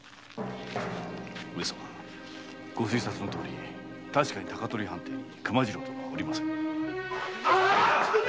ご賢察のとおり確かに高取藩邸に熊次郎殿はおりませぬ。